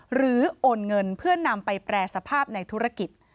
โอนเงินเพื่อนำไปแปรสภาพในธุรกิจ